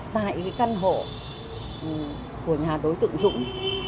tại cái căn hộ của nhà đối tượng dũng